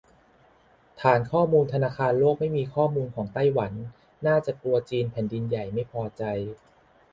ฐานข้อมูลธนาคารโลกไม่มีข้อมูลของไต้หวัน น่าจะกลัวจีนแผ่นดินใหญ่ไม่พอใจ